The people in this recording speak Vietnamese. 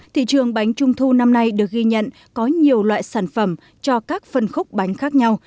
thị trường bánh trung thu năm nay được ghi nhận có nhiều loại sản phẩm cho các phân khúc bánh khác nhau